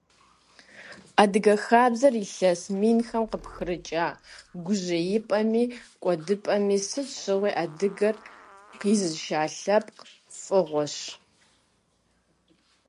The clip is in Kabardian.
Адыгэ хабзэр илъэс минхэм къыпхрыкӏа, гужьеипӏэми, кӏуэдыпӏэми сыт щыгъуи адыгэр къизыша лъэпкъ фӏыгъуэщ.